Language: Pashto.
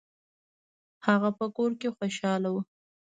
هغه په کور کې خوشحاله و.